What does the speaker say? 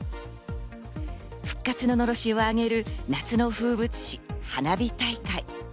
復活ののろしを上げる夏の風物詩、花火大会。